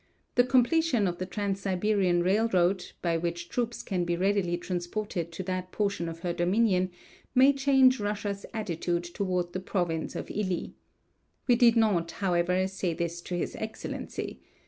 The completion of the Transsiberian railroad, by which troops can be readily transported to that portion of her dominion, may change Russia's attitude toward the province of Hi. We did not, however, say this to his excellency.